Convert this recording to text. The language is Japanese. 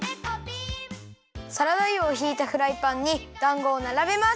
サラダ油をひいたフライパンにだんごをならべます。